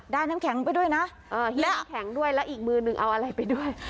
น้ำแข็งไปด้วยนะหิวน้ำแข็งด้วยแล้วอีกมือหนึ่งเอาอะไรไปด้วย